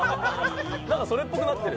なんかそれっぽくなってる！